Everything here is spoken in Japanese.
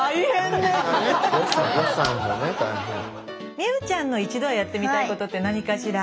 美羽ちゃんの一度はやってみたいことって何かしら？